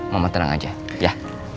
mama tenang aja ya